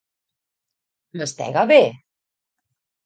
Mastega bé!